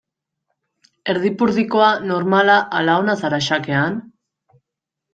Erdipurdikoa, normala ala ona zara xakean?